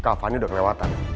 kak fani udah kelewatan